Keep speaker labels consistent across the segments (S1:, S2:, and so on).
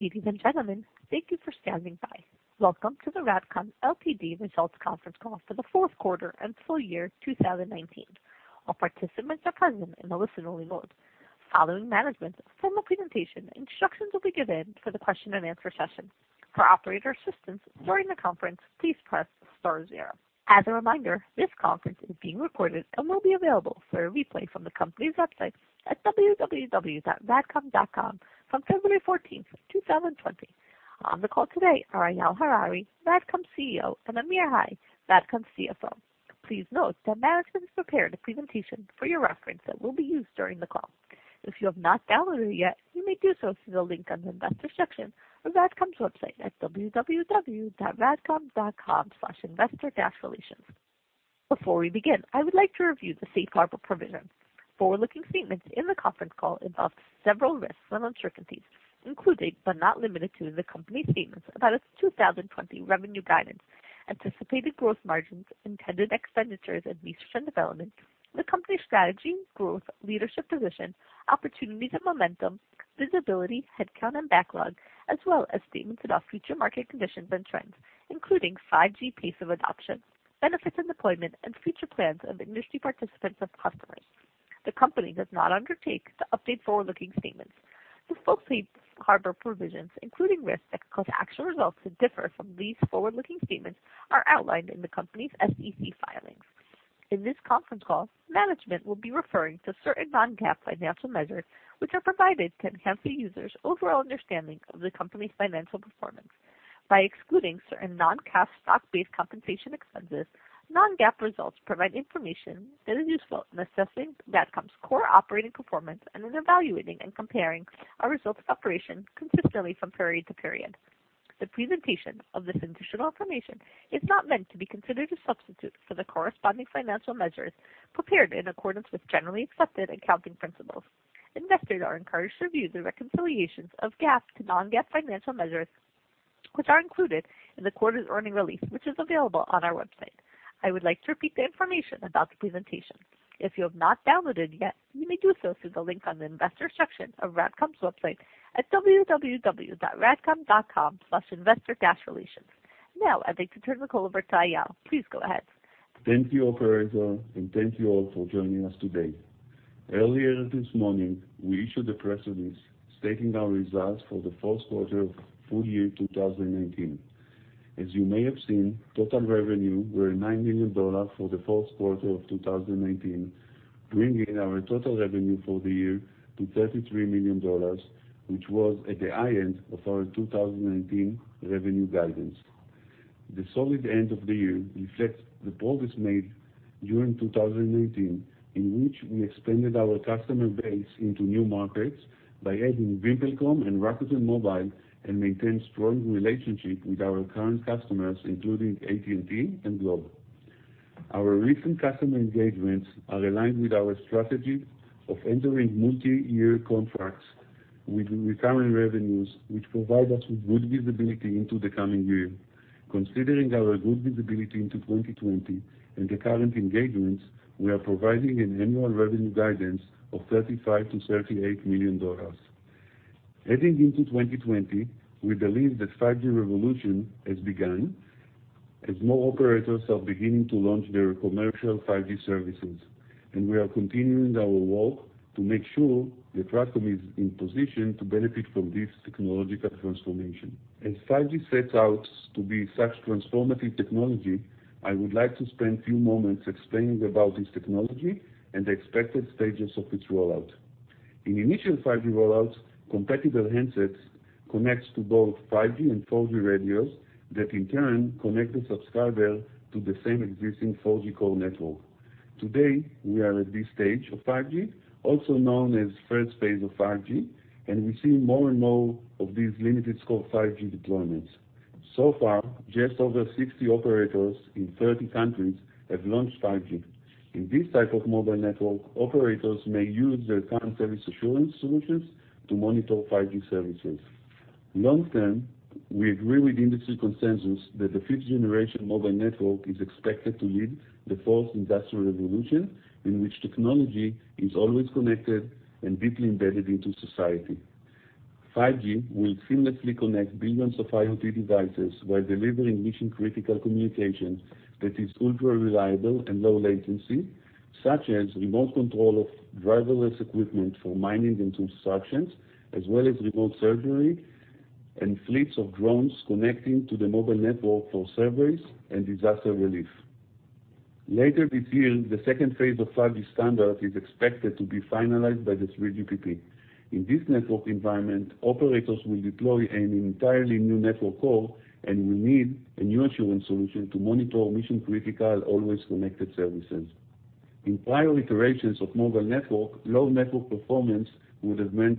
S1: Ladies and gentlemen, thank you for standing by. Welcome to the RADCOM Ltd. results conference call for the fourth quarter and full year 2019. All participants are present in the listen-only mode. Following management's formal presentation, instructions will be given for the question and answer session. For operator assistance during the conference, please press star zero. As a reminder, this conference is being recorded and will be available for a replay from the company's website at www.radcom.com from February 14th, 2020. On the call today are Eyal Harari, RADCOM CEO, and Amir Hai, RADCOM CFO. Please note that management's prepared a presentation for your reference that will be used during the call. If you have not downloaded it yet, you may do so through the link on the investor section of RADCOM's website at www.radcom.com/investor-relations. Before we begin, I would like to review the safe harbor provisions. Forward-looking statements in the conference call involve several risks and uncertainties, including but not limited to, the company statements about its 2020 revenue guidance, anticipated growth margins, intended expenditures in research and development, the company's strategy, growth, leadership position, opportunities and momentum, visibility, headcount, and backlog, as well as statements about future market conditions and trends, including 5G pace of adoption, benefits and deployment, and future plans of industry participants of customers. The company does not undertake to update forward-looking statements. The full safe harbor provisions, including risks that cause actual results to differ from these forward-looking statements, are outlined in the company's SEC filings. In this conference call, management will be referring to certain non-GAAP financial measures, which are provided to enhance the user's overall understanding of the company's financial performance. By excluding certain non-cash stock-based compensation expenses, non-GAAP results provide information that is useful in assessing RADCOM's core operating performance and in evaluating and comparing our results of operation consistently from period to period. The presentation of this additional information is not meant to be considered a substitute for the corresponding financial measures prepared in accordance with generally accepted accounting principles. Investors are encouraged to view the reconciliations of GAAP to non-GAAP financial measures, which are included in the quarter's earnings release, which is available on our website. I would like to repeat the information about the presentation. If you have not downloaded yet, you may do so through the link on the investor section of RADCOM's website at www.radcom.com/investor-relations. I'd like to turn the call over to Eyal. Please go ahead.
S2: Thank you, operator, and thank you all for joining us today. Earlier this morning, we issued a press release stating our results for the fourth quarter of full year 2019. As you may have seen, total revenue were $9 million for the fourth quarter of 2019, bringing our total revenue for the year to $33 million, which was at the high end of our 2019 revenue guidance. The solid end of the year reflects the progress made during 2019, in which we expanded our customer base into new markets by adding VimpelCom and Rakuten Mobile and maintain strong relationship with our current customers, including AT&T and Globe. Our recent customer engagements are aligned with our strategy of entering multi-year contracts with recurring revenues, which provide us with good visibility into the coming year. Considering our good visibility into 2020 and the current engagements, we are providing an annual revenue guidance of $35 million-$38 million. Heading into 2020, we believe that 5G revolution has begun as more operators are beginning to launch their commercial 5G services, and we are continuing our work to make sure that RADCOM is in position to benefit from this technological transformation. As 5G sets out to be such transformative technology, I would like to spend a few moments explaining about this technology and the expected stages of its rollout. In initial 5G rollouts, compatible handsets connects to both 5G and 4G radios that in turn connect the subscriber to the same existing 4G core network. Today, we are at this stage of 5G, also known as first phase of 5G, and we see more and more of these limited scope 5G deployments. Far, just over 60 operators in 30 countries have launched 5G. In this type of mobile network, operators may use their current service assurance solutions to monitor 5G services. Long term, we agree with industry consensus that the fifth generation mobile network is expected to lead the fourth industrial revolution, in which technology is always connected and deeply embedded into society. 5G will seamlessly connect billions of IoT devices while delivering mission-critical communication that is ultra-reliable and low latency, such as remote control of driverless equipment for mining and constructions, as well as remote surgery and fleets of drones connecting to the mobile network for surveys and disaster relief. Later this year, the 2nd phase of 5G standard is expected to be finalized by the 3GPP. In this network environment, operators will deploy an entirely new network core and will need a new assurance solution to monitor mission-critical, always-connected services. In prior iterations of mobile network, low network performance would have meant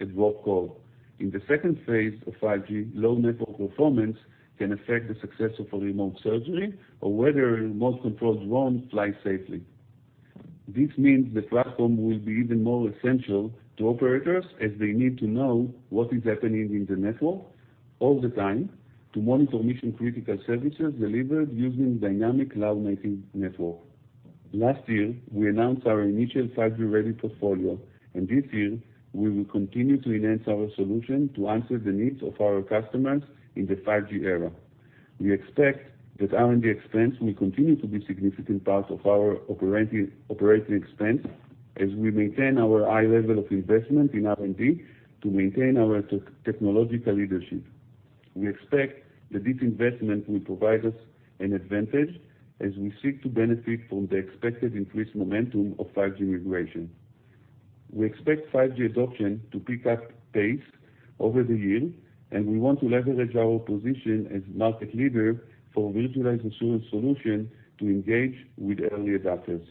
S2: a dropped call. In the second phase of 5G, low network performance can affect the success of a remote surgery or whether a remote-controlled drone flies safely. This means that RADCOM will be even more essential to operators as they need to know what is happening in the network all the time to monitor mission-critical services delivered using dynamic cloud-native network. Last year, we announced our initial 5G-ready portfolio. This year, we will continue to enhance our solution to answer the needs of our customers in the 5G era. We expect that R&D expense will continue to be significant part of our operating expense as we maintain our high level of investment in R&D to maintain our technological leadership. We expect that this investment will provide us an advantage as we seek to benefit from the expected increased momentum of 5G migration. We expect 5G adoption to pick up pace over the year, and we want to leverage our position as market leader for virtualized assurance solution to engage with early adopters.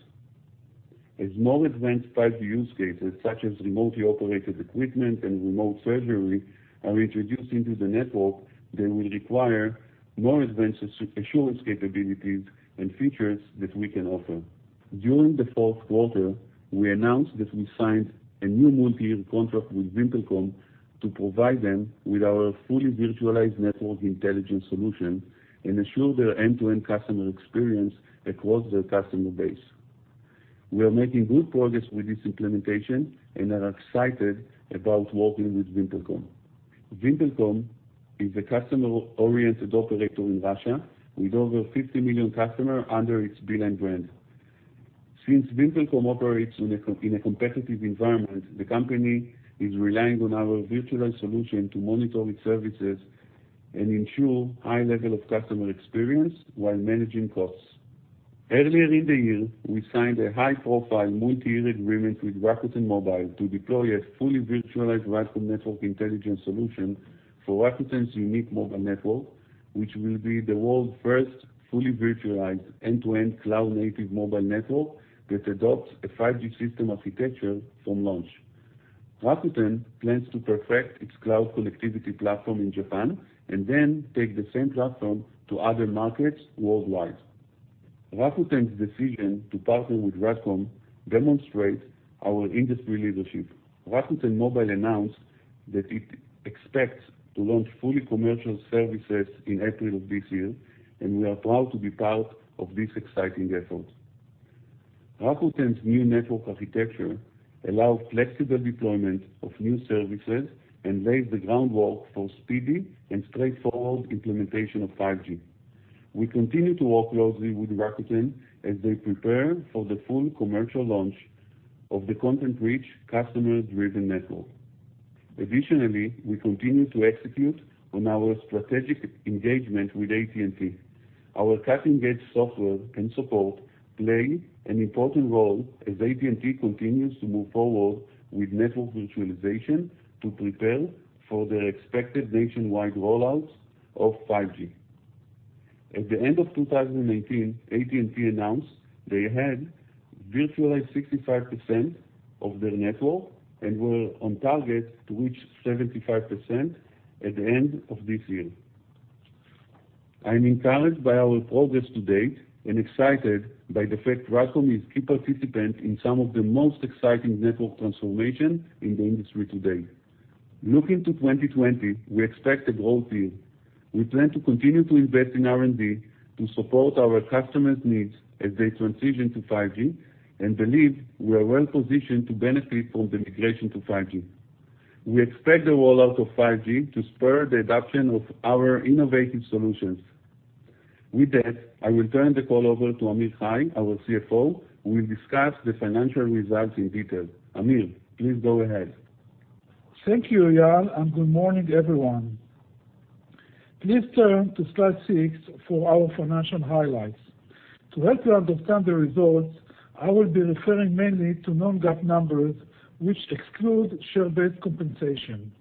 S2: As more advanced 5G use cases such as remotely operated equipment and remote surgery are introduced into the network, they will require more advanced assurance capabilities and features that we can offer. During the fourth quarter, we announced that we signed a new multi-year contract with VimpelCom to provide them with our fully virtualized network intelligence solution and assure their end-to-end customer experience across their customer base. We are making good progress with this implementation and are excited about working with VimpelCom. VimpelCom is a customer-oriented operator in Russia with over 50 million customer under its Beeline brand. Since VimpelCom operates in a competitive environment, the company is relying on our virtualized solution to monitor its services and ensure high level of customer experience while managing costs. Earlier in the year, we signed a high-profile multi-year agreement with Rakuten Mobile to deploy a fully virtualized platform network intelligence solution for Rakuten's unique mobile network, which will be the world's first fully virtualized end-to-end cloud-native mobile network that adopts a 5G system architecture from launch. Rakuten plans to perfect its cloud connectivity platform in Japan and then take the same platform to other markets worldwide. Rakuten's decision to partner with RADCOM demonstrates our industry leadership. Rakuten Mobile announced that it expects to launch fully commercial services in April of this year. We are proud to be part of this exciting effort. Rakuten's new network architecture allows flexible deployment of new services and lays the groundwork for speedy and straightforward implementation of 5G. We continue to work closely with Rakuten as they prepare for the full commercial launch of the content-rich, customer-driven network. Additionally, we continue to execute on our strategic engagement with AT&T. Our cutting-edge software and support play an important role as AT&T continues to move forward with network virtualization to prepare for their expected nationwide roll-out of 5G. At the end of 2019, AT&T announced they had virtualized 65% of their network and were on target to reach 75% at the end of this year. I am encouraged by our progress to date and excited by the fact Rakuten is key participant in some of the most exciting network transformation in the industry today. Looking to 2020, we expect a growth year. We plan to continue to invest in R&D to support our customers' needs as they transition to 5G and believe we are well positioned to benefit from the migration to 5G. We expect the roll-out of 5G to spur the adoption of our innovative solutions. With that, I will turn the call over to Amir Hai, our CFO, who will discuss the financial results in detail. Amir, please go ahead.
S3: Thank you, Eyal. Good morning, everyone. Please turn to slide six for our financial highlights. To help you understand the results, I will be referring mainly to non-GAAP numbers, which exclude share-based compensation.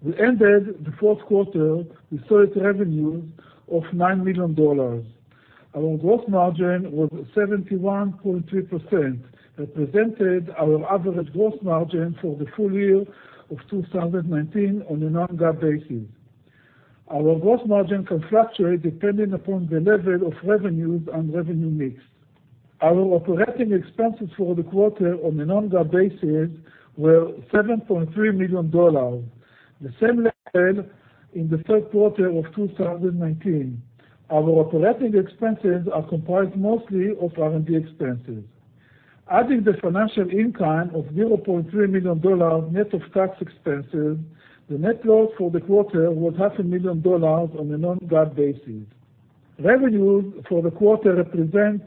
S3: We ended the fourth quarter with sales revenue of $9 million. Our gross margin was 71.3%, represented our average gross margin for the full year of 2019 on a non-GAAP basis. Our gross margin can fluctuate depending upon the level of revenues and revenue mix. Our operating expenses for the quarter on a non-GAAP basis were $7.3 million, the same level in the third quarter of 2019. Our operating expenses are comprised mostly of R&D expenses. Adding the financial income of $0.3 million net of tax expenses, the net loss for the quarter was half a million dollars on a non-GAAP basis. Revenues for the quarter represent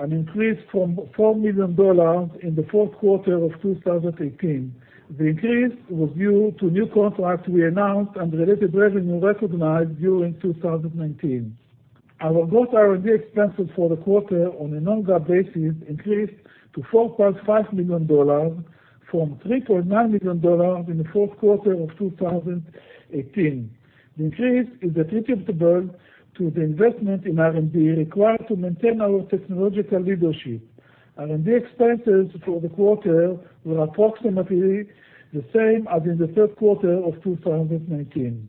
S3: an increase from $4 million in the fourth quarter of 2018. The increase was due to new contracts we announced and related revenue recognized during 2019. Our gross R&D expenses for the quarter on a non-GAAP basis increased to $4.5 million from $3.9 million in the fourth quarter of 2018. The increase is attributable to the investment in R&D required to maintain our technological leadership. R&D expenses for the quarter were approximately the same as in the third quarter of 2019.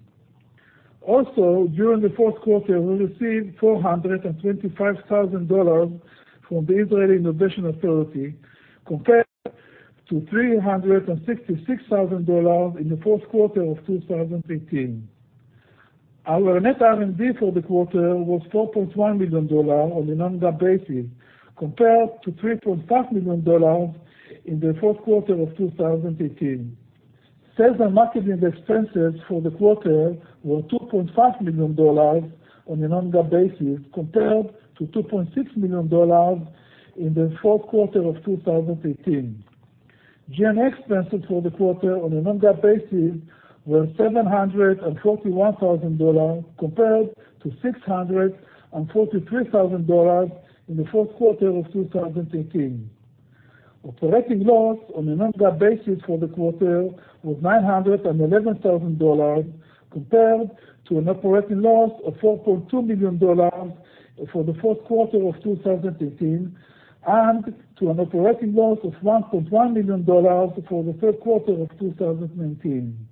S3: Also, during the fourth quarter, we received $425,000 from the Israel Innovation Authority, compared to $366,000 in the fourth quarter of 2018. Our net R&D for the quarter was $4.1 million on a non-GAAP basis, compared to $3.5 million in the fourth quarter of 2018. Sales and marketing expenses for the quarter were $2.5 million on a non-GAAP basis, compared to $2.6 million in the fourth quarter of 2018. G&A expenses for the quarter on a non-GAAP basis were $741,000, compared to $643,000 in the fourth quarter of 2018. Operating loss on a non-GAAP basis for the quarter was $911,000, compared to an operating loss of $4.2 million for the fourth quarter of 2018, and to an operating loss of $1.1 million for the third quarter of 2019.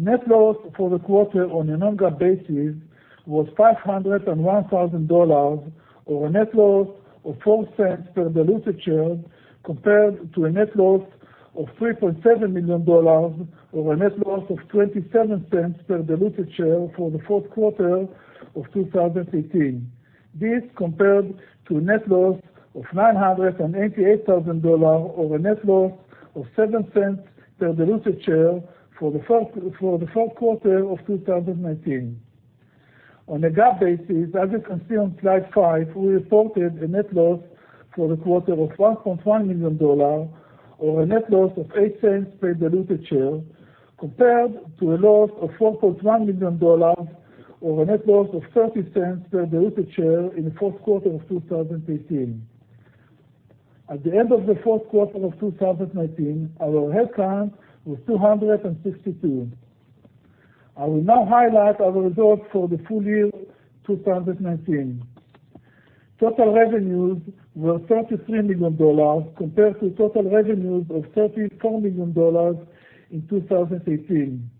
S3: Net loss for the quarter on a non-GAAP basis was $501,000, or a net loss of $0.04 per diluted share, compared to a net loss of $3.7 million, or a net loss of $0.27 per diluted share for the fourth quarter of 2018. This compared to a net loss of $988,000, or a net loss of $0.07 per diluted share for the fourth quarter of 2019. On a GAAP basis, as you can see on slide five, we reported a net loss for the quarter of $1.1 million, or a net loss of $0.08 per diluted share, compared to a loss of $4.1 million, or a net loss of $0.30 per diluted share in the fourth quarter of 2018. At the end of the fourth quarter of 2019, our headcount was 262. I will now highlight our results for the full year 2019. Total revenues were $33 million, compared to total revenues of $34 million in 2018.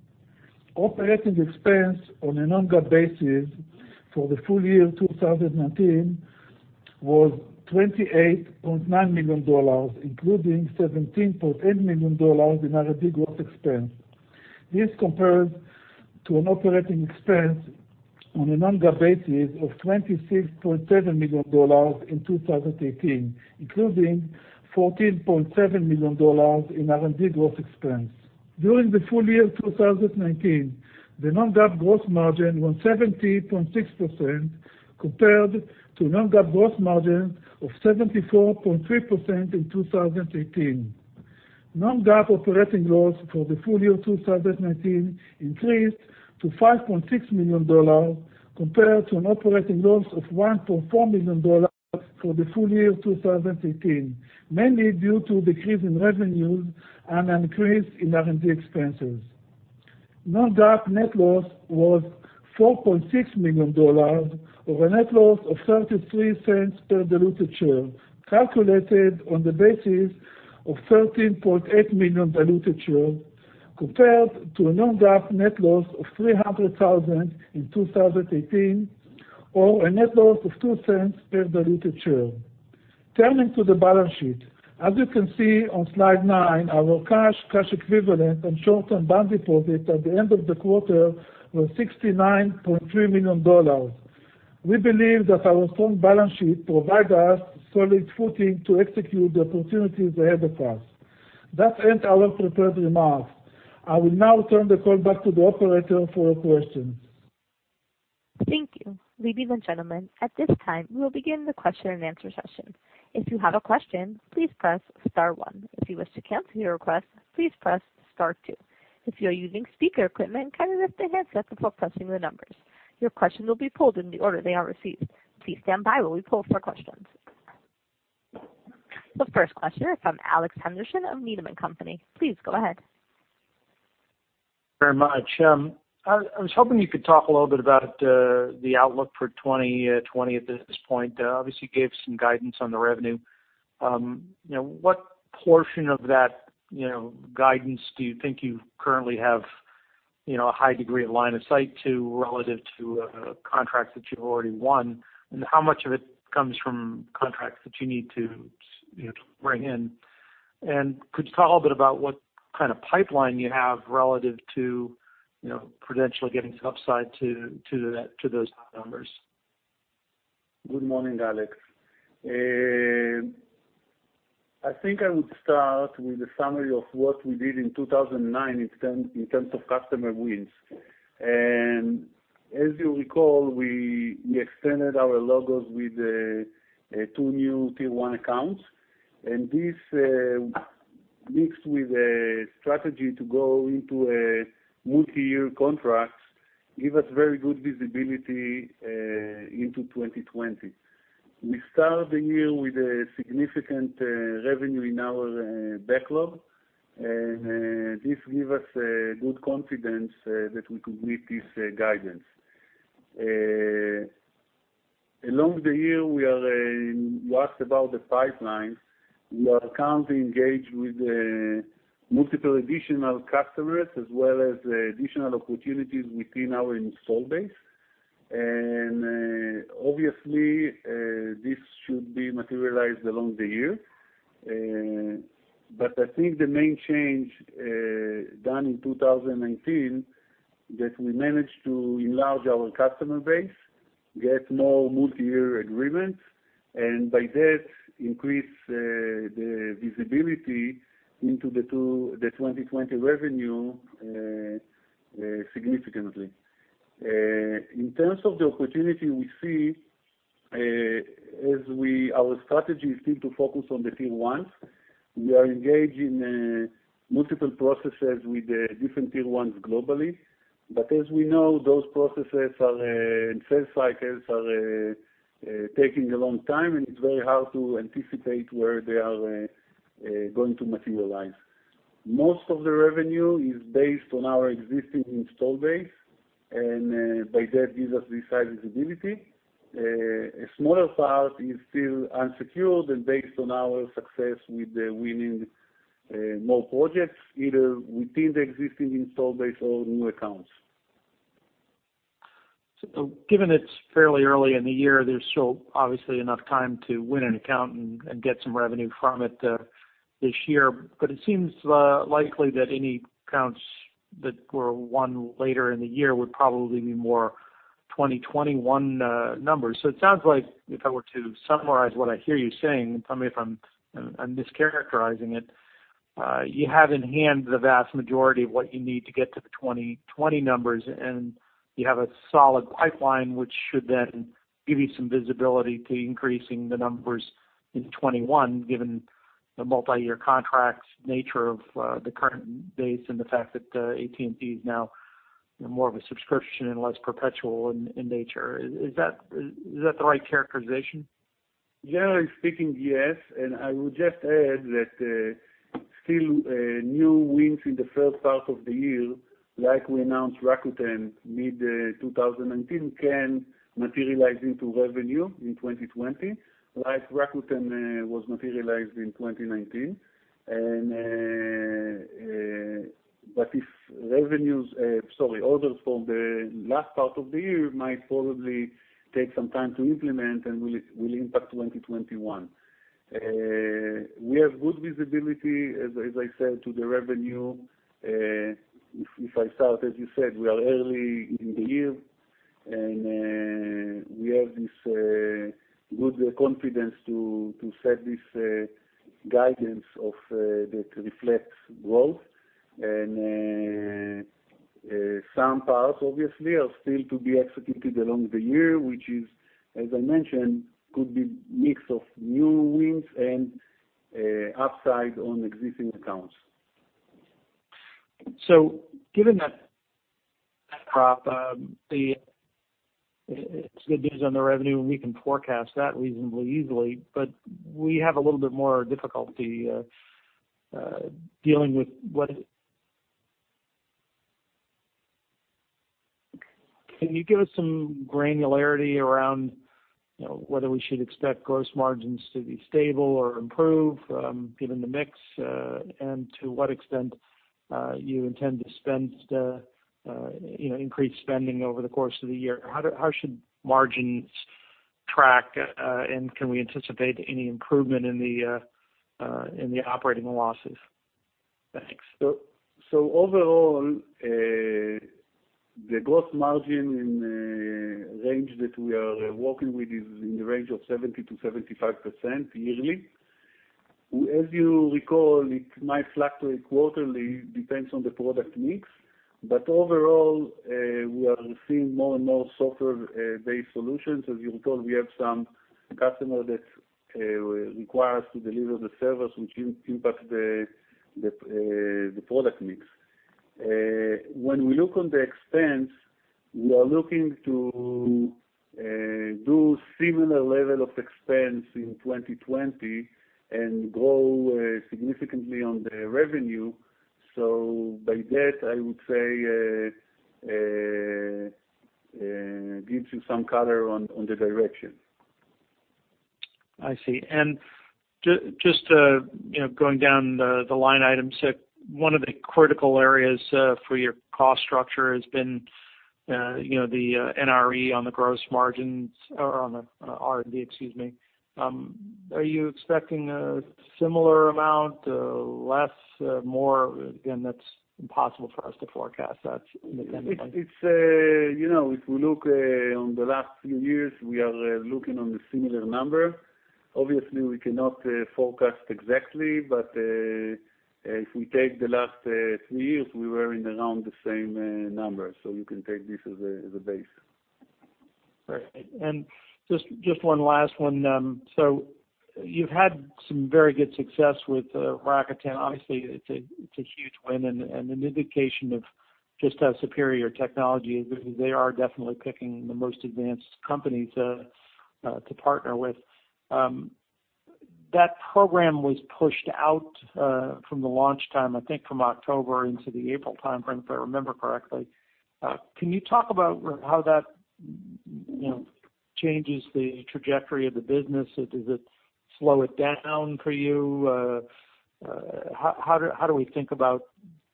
S3: Operating expense on a non-GAAP basis for the full year 2019 was $28.9 million, including $17.8 million in R&D growth expense. This compares to an operating expense on a non-GAAP basis of $26.7 million in 2018, including $14.7 million in R&D growth expense. During the full year 2019, the non-GAAP gross margin was 70.6%, compared to non-GAAP gross margin of 74.3% in 2018. Non-GAAP operating loss for the full year 2019 increased to $5.6 million, compared to an operating loss of $1.4 million for the full year 2018, mainly due to a decrease in revenues and an increase in R&D expenses. Non-GAAP net loss was $4.6 million, or a net loss of $0.33 per diluted share, calculated on the basis of 13.8 million diluted shares, compared to a non-GAAP net loss of $300,000 in 2018, or a net loss of $0.02 per diluted share. Turning to the balance sheet. As you can see on slide nine, our cash equivalent, and short-term bond deposits at the end of the quarter were $69.3 million. We believe that our strong balance sheet provide us solid footing to execute the opportunities ahead of us. That ends our prepared remarks. I will now turn the call back to the operator for questions.
S1: Thank you. Ladies and gentlemen, at this time, we will begin the question and answer session. If you have a question, please press star one. If you wish to cancel your request, please press star two. If you are using speaker equipment, kindly lift the handset before pressing the numbers. Your questions will be pulled in the order they are received. Please stand by while we pull for questions. The first question is from Alex Henderson of Needham & Company. Please go ahead.
S4: Very much. I was hoping you could talk a little bit about the outlook for 2020 at this point. Obviously, you gave some guidance on the revenue. What portion of that guidance do you think you currently have a high degree of line of sight to relative to contracts that you've already won? How much of it comes from contracts that you need to bring in? Could you talk a little bit about what kind of pipeline you have relative to potentially giving some upside to those numbers?
S3: Good morning, Alex. I think I would start with a summary of what we did in 2019 in terms of customer wins. As you recall, we extended our logos with two new tier one accounts. This, mixed with a strategy to go into multi-year contracts, give us very good visibility into 2020. We start the year with a significant revenue in our backlog, and this give us good confidence that we could meet this guidance.
S2: Along the year, we are asked about the pipelines. We are currently engaged with multiple additional customers, as well as additional opportunities within our install base. Obviously, this should be materialized along the year. I think the main change done in 2019, that we managed to enlarge our customer base, get more multi-year agreements, and by that, increase the visibility into the 2020 revenue significantly. In terms of the opportunity we see, as our strategy is still to focus on the tier one, we are engaged in multiple processes with the different tier one globally. As we know, those processes and sales cycles are taking a long time, and it's very hard to anticipate where they are going to materialize. Most of the revenue is based on our existing install base, and by that, gives us the high visibility. A smaller part is still unsecured and based on our success with winning more projects, either within the existing install base or new accounts.
S4: Given it's fairly early in the year, there's still obviously enough time to win an account and get some revenue from it this year. It seems likely that any accounts that were won later in the year would probably be more 2021 numbers. It sounds like if I were to summarize what I hear you saying, and tell me if I'm mischaracterizing it, you have in hand the vast majority of what you need to get to the 2020 numbers, and you have a solid pipeline, which should then give you some visibility to increasing the numbers in 2021, given the multi-year contracts nature of the current base and the fact that AT&T is now more of a subscription and less perpetual in nature. Is that the right characterization?
S2: Generally speaking, yes. I would just add that still new wins in the first part of the year, like we announced Rakuten mid-2019, can materialize into revenue in 2020, like Rakuten was materialized in 2019. If orders from the last part of the year might probably take some time to implement and will impact 2021. We have good visibility, as I said, to the revenue. If I start, as you said, we are early in the year, and we have this good confidence to set this guidance that reflects growth. Some parts, obviously, are still to be executed along the year, which is, as I mentioned, could be mix of new wins and upside on existing accounts.
S4: Given that backdrop, it's good news on the revenue, and we can forecast that reasonably easily. Can you give us some granularity around whether we should expect gross margins to be stable or improve, given the mix, and to what extent you intend to increase spending over the course of the year? How should margins track, and can we anticipate any improvement in the operating losses? Thanks.
S2: Overall, the gross margin range that we are working with is in the range of 70%-75% yearly. As you recall, it might fluctuate quarterly, depends on the product mix. Overall, we are seeing more and more software-based solutions. As you recall, we have some customer that require us to deliver the service, which impact the product mix. We look on the expense, we are looking to do similar level of expense in 2020 and grow significantly on the revenue. By that, I would say, gives you some color on the direction.
S4: I see. Just going down the line items, one of the critical areas for your cost structure has been the NRE on the R&D. Are you expecting a similar amount, less, more? Again, that's impossible for us to forecast that.
S2: If we look on the last few years, we are looking on the similar number. Obviously, we cannot forecast exactly, but if we take the last three years, we were in around the same number. You can take this as a base.
S4: Great. Just one last one. You've had some very good success with Rakuten. Obviously, it's a huge win and an indication of just how superior technology is. They are definitely picking the most advanced company to partner with. That program was pushed out from the launch time, I think from October into the April timeframe, if I remember correctly. Can you talk about how that changes the trajectory of the business? Does it slow it down for you? How do we think about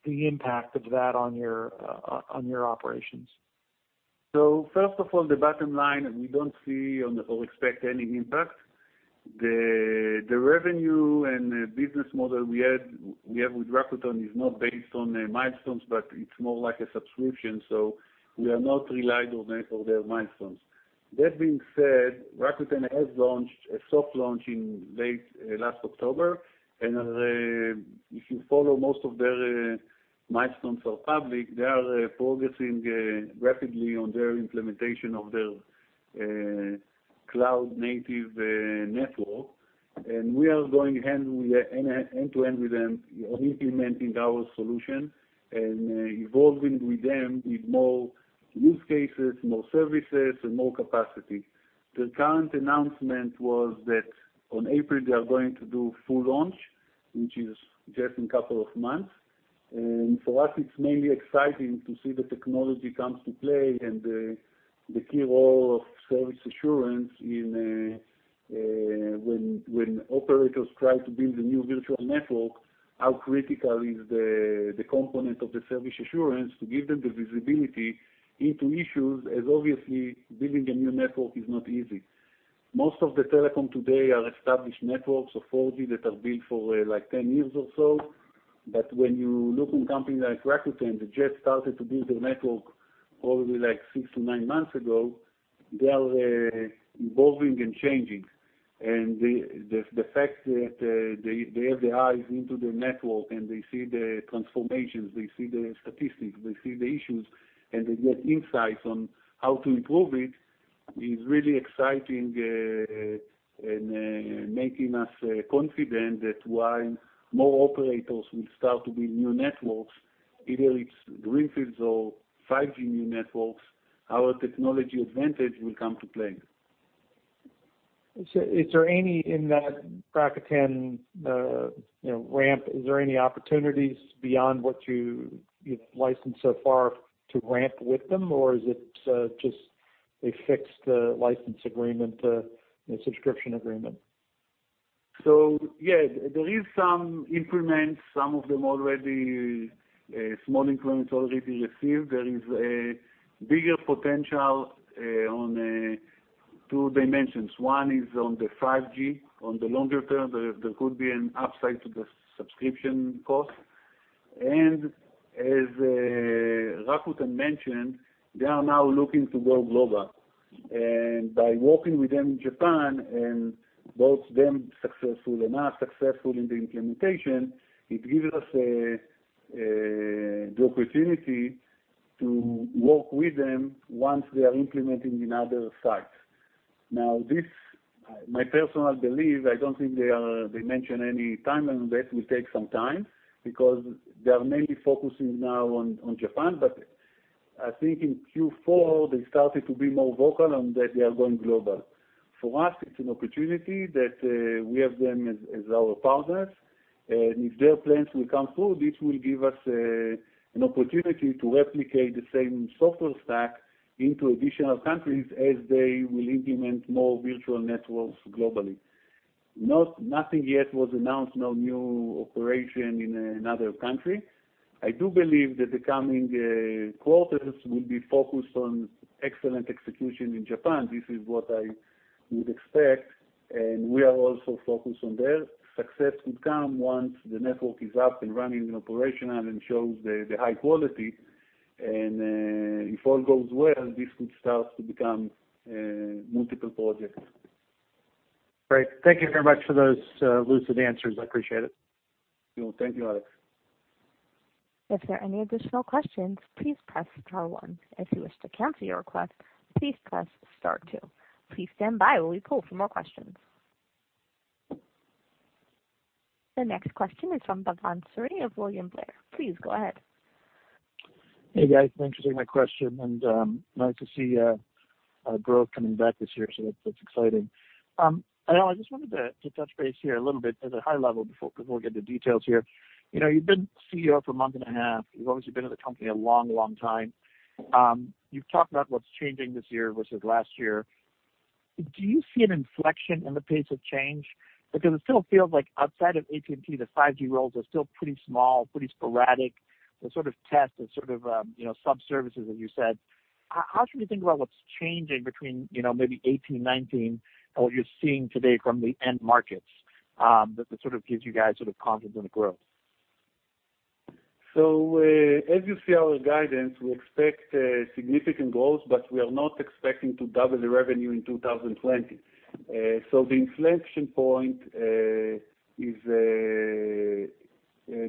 S4: the impact of that on your operations?
S2: First of all, the bottom line, we don't see or expect any impact. The revenue and business model we have with Rakuten is not based on milestones, but it's more like a subscription, we are not relied on any of their milestones. That being said, Rakuten has launched a soft launch in late last October, if you follow, most of their milestones are public. They are progressing rapidly on their implementation of their cloud-native network. We are going end-to-end with them on implementing our solution and evolving with them with more use cases, more services, and more capacity. The current announcement was that in April, they are going to do a full launch, which is just in a couple of months. For us, it's mainly exciting to see the technology comes to play and the key role of service assurance when operators try to build a new virtual network, how critical is the component of the service assurance to give them the visibility into issues, as obviously, building a new network is not easy. Most of the telecom today are established networks of 4G that are built for 10 years or so. When you look on companies like Rakuten, they just started to build their network, probably six to nine months ago. They are evolving and changing. The fact that they have their eyes into their network and they see the transformations, they see the statistics, they see the issues, and they get insights on how to improve it, is really exciting and making us confident that while more operators will start to build new networks, either it's greenfields or 5G new networks, our technology advantage will come to play.
S4: In that Rakuten ramp, is there any opportunities beyond what you licensed so far to ramp with them, or is it just a fixed license agreement, a subscription agreement?
S2: Yeah, there is some increments, some of them already small increments already received. There is a bigger potential on two dimensions. One is on the 5G, on the longer term, there could be an upside to the subscription cost. As Rakuten mentioned, they are now looking to go global. By working with them in Japan, and both them successful and us successful in the implementation, it gives us the opportunity to work with them once they are implementing in other sites. My personal belief, I don't think they mentioned any timeline, that will take some time because they are mainly focusing now on Japan. I think in Q4, they started to be more vocal and that they are going global. For us, it's an opportunity that we have them as our partners. If their plans will come through, this will give us an opportunity to replicate the same software stack into additional countries as they will implement more virtual networks globally. Nothing yet was announced, no new operation in another country. I do believe that the coming quarters will be focused on excellent execution in Japan. This is what I would expect, and we are also focused on their success would come once the network is up and running and operational and shows the high quality. If all goes well, this would start to become multiple projects.
S4: Great. Thank you very much for those lucid answers. I appreciate it.
S2: You're welcome. Thank you, Alex.
S1: If there are any additional questions, please press star one. If you wish to cancel your request, please press star two. Please stand by while we pull for more questions. The next question is from Bhavan Suri of William Blair. Please go ahead.
S5: Hey, guys. Thanks for taking my question, and nice to see growth coming back this year, so that's exciting. I just wanted to touch base here a little bit at a high level before we get into details here. You've been CEO for a month and a half. You've obviously been at the company a long time. You've talked about what's changing this year versus last year. Do you see an inflection in the pace of change? It still feels like outside of AT&T, the 5G roles are still pretty small, pretty sporadic, the sort of test and sort of sub-services, as you said. How should we think about what's changing between maybe 2018, 2019, and what you're seeing today from the end markets, that gives you guys confidence in the growth?
S2: As you see our guidance, we expect significant growth, but we are not expecting to double the revenue in 2020. The inflection point is,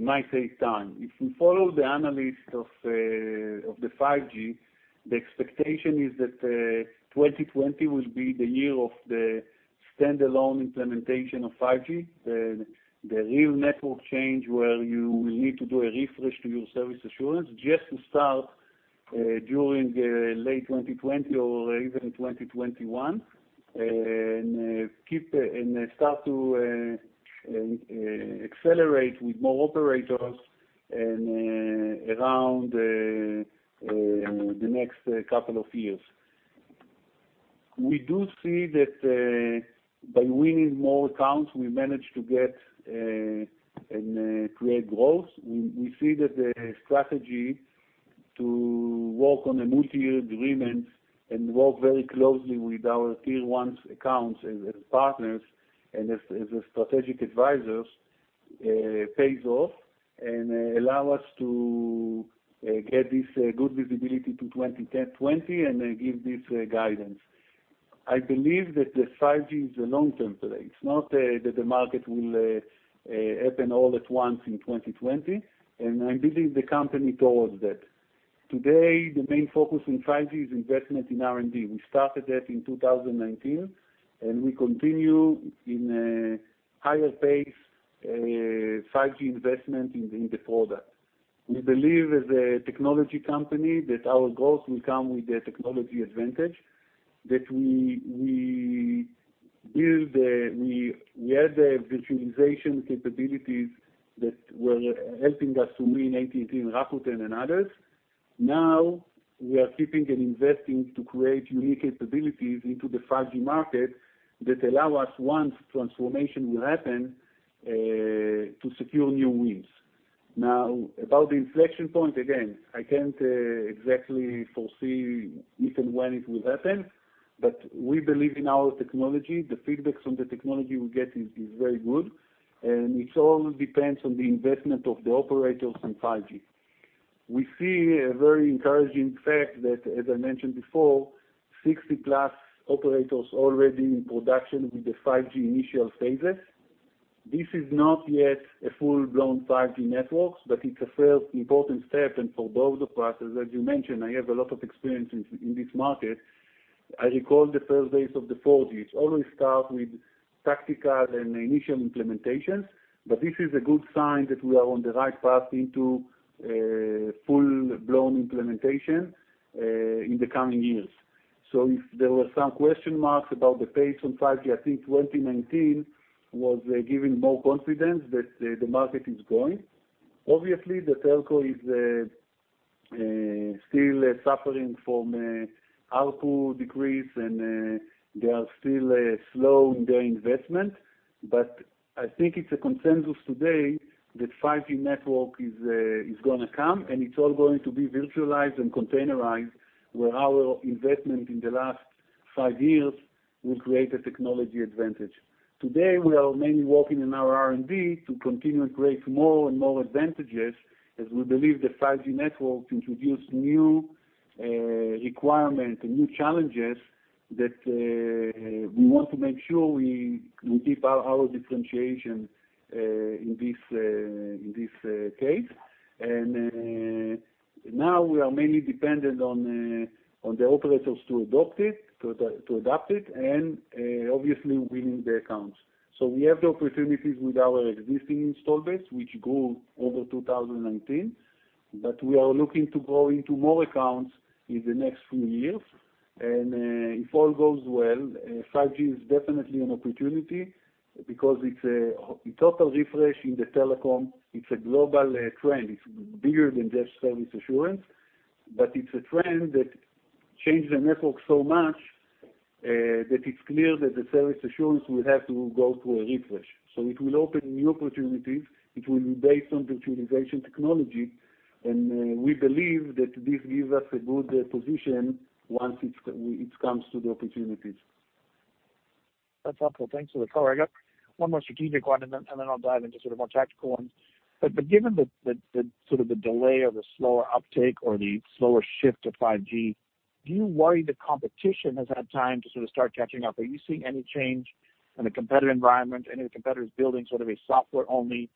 S2: might take time. If you follow the analysts of the 5G, the expectation is that 2020 will be the year of the standalone implementation of 5G, the real network change where you will need to do a refresh to your service assurance just to start during late 2020 or even 2021, and start to accelerate with more operators around the next couple of years. We do see that by winning more accounts, we manage to get and create growth. We see that the strategy to work on the multi-year agreements and work very closely with our tier 1 accounts and as partners and as strategic advisors, pays off and allow us to get this good visibility to 2020, and give this guidance. I believe that the 5G is a long-term play. It's not that the market will happen all at once in 2020, and I'm building the company towards that. Today, the main focus in 5G is investment in R&D. We started that in 2019, and we continue in a higher pace 5G investment in the product. We believe as a technology company, that our growth will come with a technology advantage, that we had the virtualization capabilities that were helping us to win AT&T and Rakuten and others. We are keeping and investing to create unique capabilities into the 5G market that allow us, once transformation will happen, to secure new wins. About the inflection point, again, I can't exactly foresee if and when it will happen. We believe in our technology. The feedbacks from the technology we get is very good. It all depends on the investment of the operators in 5G. We see a very encouraging fact that, as I mentioned before, 60+ operators already in production with the 5G initial phases. This is not yet a full-blown 5G networks. It's a important step. For both of us, as you mentioned, I have a lot of experience in this market. I recall the first days of the 4G. It's always start with tactical and initial implementations. This is a good sign that we are on the right path into full-blown implementation in the coming years. If there were some question marks about the pace on 5G, I think 2019 was giving more confidence that the market is growing. Obviously, the telco is still suffering from output decrease and they are still slow in their investment. I think it's a consensus today that 5G network is going to come, and it's all going to be virtualized and containerized, where our investment in the last five years will create a technology advantage. Today, we are mainly working in our R&D to continue and create more and more advantages, as we believe that 5G network introduce new requirement and new challenges that we want to make sure we keep our differentiation in this case. Now we are mainly dependent on the operators to adopt it and obviously winning the accounts. We have the opportunities with our existing install base, which grow over 2019. We are looking to grow into more accounts in the next few years. If all goes well, 5G is definitely an opportunity because it's a total refresh in the telecom. It's a global trend. It's bigger than just service assurance. It's a trend that changed the network so much, that it's clear that the service assurance will have to go through a refresh. It will open new opportunities. It will be based on virtualization technology, and we believe that this gives us a good position once it comes to the opportunities.
S5: That's helpful. Thanks for the color. I got one more strategic one and then I'll dive into more tactical ones. Given the delay of the slower uptake or the slower shift to 5G, do you worry that competition has had time to start catching up? Are you seeing any change in the competitive environment? Any of the competitors building a software-only,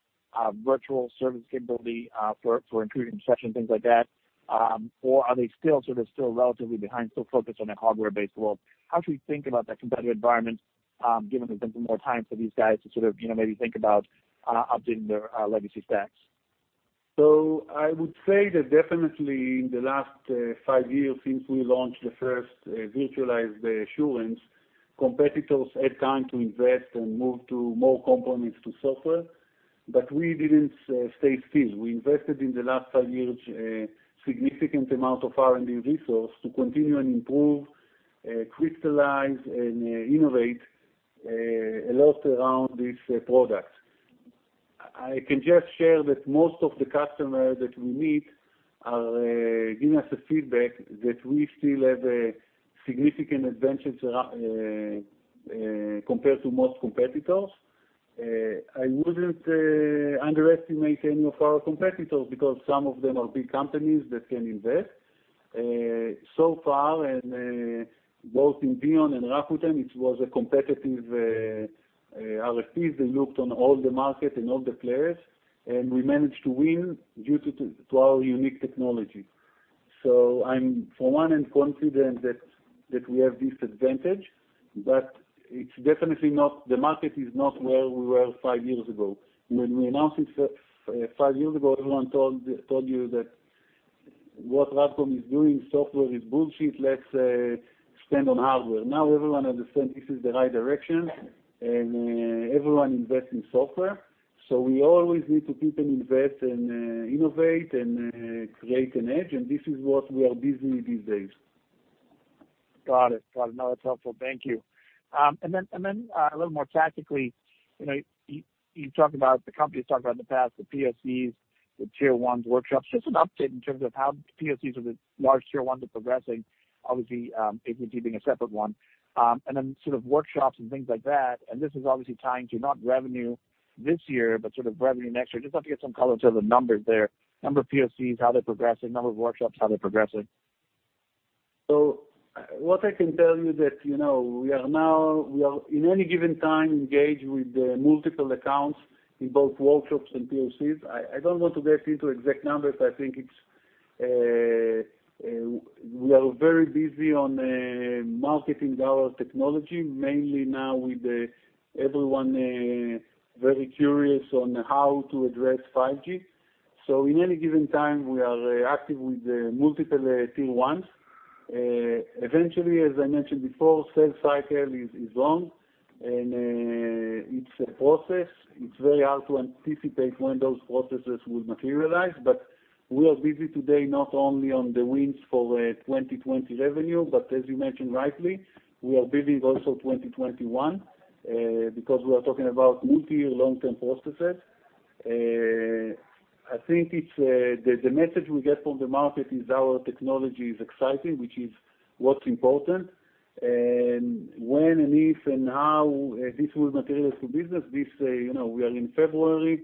S5: virtual service capability, for intrusion detection, things like that? Or are they still relatively behind, still focused on a hardware-based world? How should we think about that competitive environment, given the more time for these guys to maybe think about updating their legacy stacks?
S2: I would say that definitely in the last five years, since we launched the first virtualized assurance, competitors had time to invest and move to more components to software. We didn't stay still. We invested, in the last five years, a significant amount of R&D resource to continue and improve, crystallize, and innovate a lot around this product. I can just share that most of the customers that we meet are giving us a feedback that we still have a significant advantage compared to most competitors. I wouldn't underestimate any of our competitors, because some of them are big companies that can invest. So far, and both in VEON and Rakuten, it was a competitive RFP. They looked on all the market and all the players, and we managed to win due to our unique technology. I'm confident that we have this advantage, but the market is not where we were five years ago. When we announced it five years ago, everyone told you that what RADCOM is doing, software is bullshit, let's spend on hardware. Now everyone understands this is the right direction, and everyone invests in software. We always need to keep and invest and innovate and create an edge, and this is what we are busy these days.
S5: Got it. No, that's helpful. Thank you. A little more tactically, the company's talked about in the past the POCs, the Tier 1s workshops. Just an update in terms of how POCs with the large Tier 1s are progressing, obviously, AT&T being a separate one. Workshops and things like that, and this is obviously tying to not revenue this year, but revenue next year. Just have to get some color to the numbers there. Number of POCs, how they're progressing, number of workshops, how they're progressing.
S2: What I can tell you that we are now, we are in any given time, engaged with multiple accounts in both workshops and POCs. I don't want to get into exact numbers. I think we are very busy on marketing our technology, mainly now with everyone very curious on how to address 5G. In any given time, we are active with multiple Tier 1s. Eventually, as I mentioned before, sales cycle is long, and it's a process. It's very hard to anticipate when those processes will materialize. We are busy today not only on the wins for 2020 revenue, but as you mentioned rightly, we are busy with also 2021, because we are talking about multi-year, long-term processes. I think the message we get from the market is our technology is exciting, which is what's important, and when and if and how this will materialize to business, we are in February.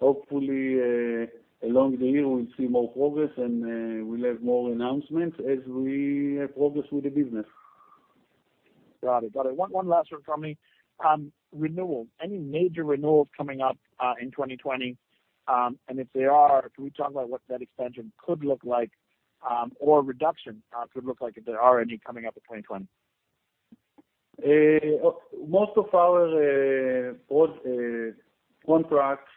S2: Hopefully, along the year, we'll see more progress, and we'll have more announcements as we have progress with the business.
S5: Got it. One last one for me. Renewals. Any major renewals coming up in 2020? If there are, can we talk about what that expansion could look like? Reduction could look like if there are any coming up in 2020.
S2: Most of our contracts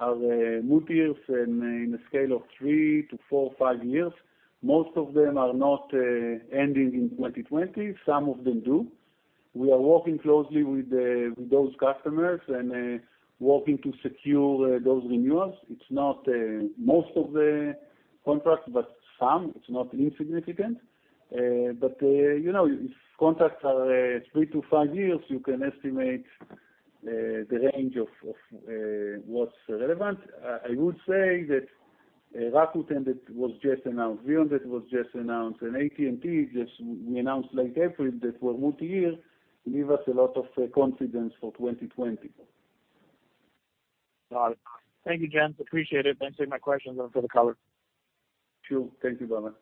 S2: are multi-years and in a scale of three to four, five years. Most of them are not ending in 2020. Some of them do. We are working closely with those customers and working to secure those renewals. It's not most of the contracts, but some. It's not insignificant. If contracts are three to five years, you can estimate the range of what's relevant. I would say that Rakuten, that was just announced, VEON that was just announced, and AT&T just we announced late April that were multi-year, give us a lot of confidence for 2020.
S5: Got it. Thank you, gents. Appreciate it. Thanks for taking my questions and for the color.
S2: Sure. Thank you, Norman.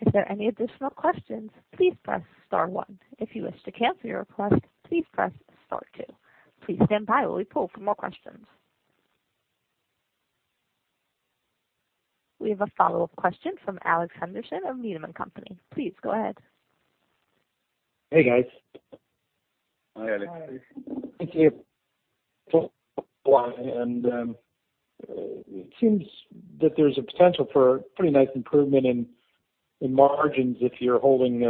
S1: If there are any additional questions, please press star one. If you wish to cancel your request, please press star two. Please stand by while we poll for more questions. We have a follow-up question from Alex Henderson of Needham & Company. Please go ahead.
S4: Hey, guys.
S2: Hi, Alex.
S4: Thank you. It seems that there's a potential for pretty nice improvement in margins if you're holding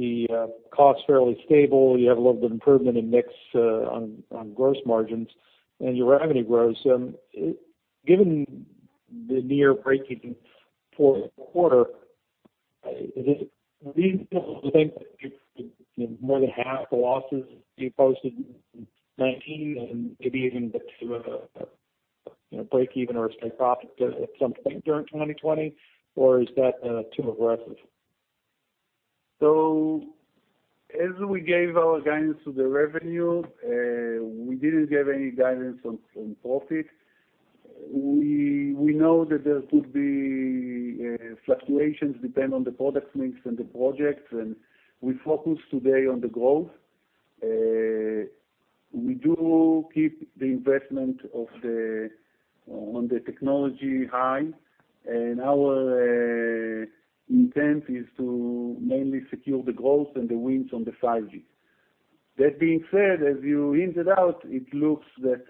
S4: the cost fairly stable, you have a little bit of improvement in mix on gross margins, and your revenue grows. Given the near breakeven for the quarter, is it reasonable to think that more than half the losses you posted in 2019, and maybe even get to a breakeven or a straight profit at some point during 2020, or is that too aggressive?
S2: As we gave our guidance to the revenue, we didn't give any guidance on profit. We know that there could be fluctuations depending on the product mix and the projects, and we focus today on the growth. We do keep the investment on the technology high, and our intent is to mainly secure the growth and the wins on the 5G. That being said, as you hinted out, it looks that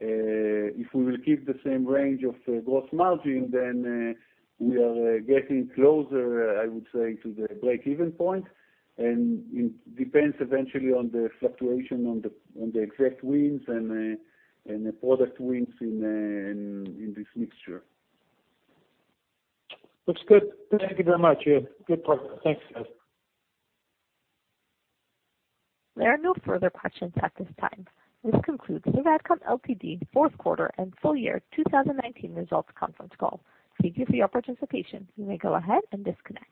S2: if we will keep the same range of gross margin, then we are getting closer, I would say, to the breakeven point. It depends eventually on the fluctuation on the exact wins and the product wins in this mixture.
S4: Looks good. Thank you very much. Yeah, good point. Thanks, guys.
S1: There are no further questions at this time. This concludes the RADCOM Ltd. Fourth Quarter and Full Year 2019 Results Conference Call. Thank you for your participation. You may go ahead and disconnect.